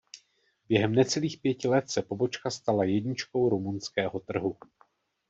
Během necelých pěti let se pobočka stala jedničkou rumunského trhu.